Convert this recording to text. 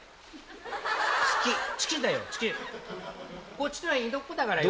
こちとら江戸っ子だからよ。